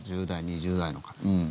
１０代、２０代の方。